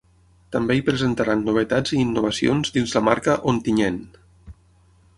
També hi presentaran novetats i innovacions dins la marca Ontinyent.